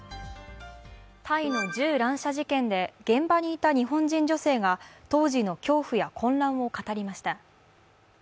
タイの銃乱射事件で現場にいた日本人女性が当時の恐怖や混乱を語りました。